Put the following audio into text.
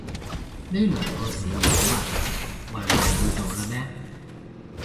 呢輪個市唔好啊？外賣冇做喇咩